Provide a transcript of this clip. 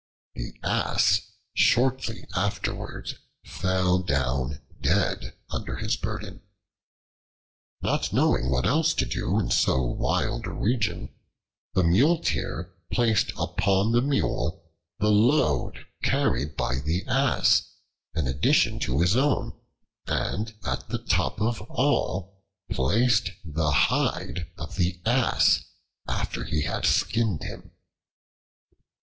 The Ass shortly afterwards fell down dead under his burden. Not knowing what else to do in so wild a region, the Muleteer placed upon the Mule the load carried by the Ass in addition to his own, and at the top of all placed the hide of the Ass, after he had skinned him.